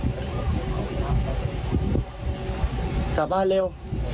กลับบ้านเร็ว